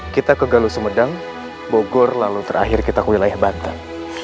kita ke galuh sumedang bogor lalu terakhir kita ke wilayah banten